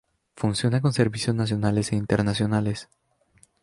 Funciona con servicios nacionales e internacionales.